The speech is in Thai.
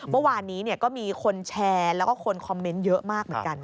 เมื่อวานนี้ก็มีคนแชร์แล้วก็คนคอมเมนต์เยอะมากเหมือนกัน